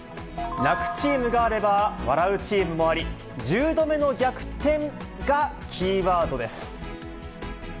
泣くチームがあれば、笑うチームもあり、１０度目の逆転がキーワードです。